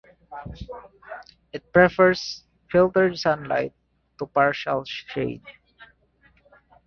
It prefers filtered sunlight to partial shade.